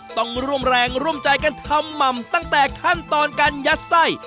ต้องร่วมแรงร่วมใจกันทำหม่ำตั้งแต่ขั้นตอนการยัดไส้